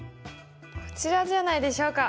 こちらじゃないでしょうか。